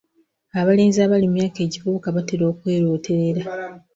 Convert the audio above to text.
Abalenzi abali mu myaka egivubuka batera okwerooterera.